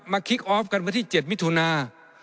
คลิกออฟกันวันที่๗มิถุนา